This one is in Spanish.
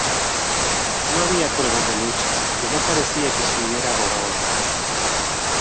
No había pruebas de lucha y no parecía que se hubiera robado nada.